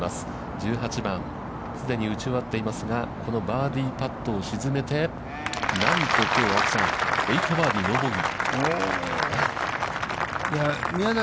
１８番、既に打ち終わっていますが、このバーディーパットを沈めて、なんと、きょう青木さん、８バーディー、ノーボギー。